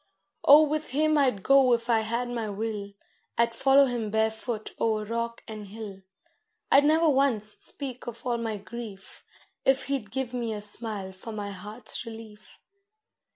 O with him I'd go if I had my will, I'd follow him barefoot o'er rock and hill; I'd never once speak of all my grief If he'd give me a smile for my heart's relief.